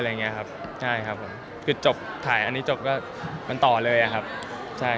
เล่นที่เราต้องจบอันนี้จบก็มาต่อเลย